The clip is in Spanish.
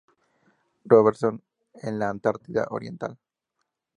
Robertson en la Antártida Oriental.